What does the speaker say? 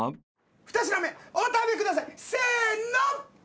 ２品目お食べくださいせの！